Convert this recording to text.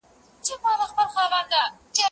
ايا ته کار کوې.